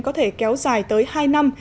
có thể kéo dài tới hai năm